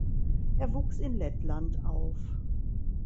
Er wuchs in Lettland auf.